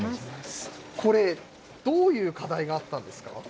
これ、どういう課題があったんですか。